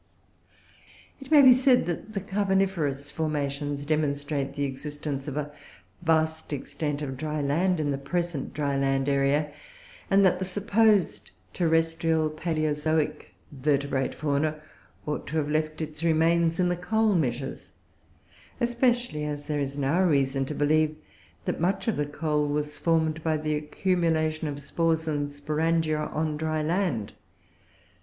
It may be said that the Carboniferous formations demonstrate the existence of a vast extent of dry land in the present dry land area, and that the supposed terrestrial Palaeozoic Vertebrate Fauna ought to have left its remains in the Coal measures, especially as there is now reason to believe that much of the coal was formed by the accumulation of spores and sporangia on dry land.